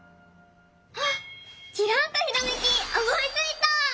あっきらんとひらめきおもいついた！